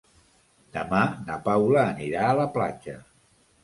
Demà na Paula anirà a la platja.